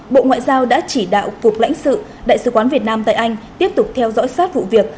bộ ngoại giao đã chỉ đạo cục lãnh sự đại sứ quán việt nam tại anh tiếp tục theo dõi sát vụ việc